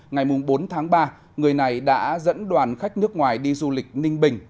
ngày bốn tháng ba người này đã dẫn đoàn khách nước ngoài đi du lịch ninh bình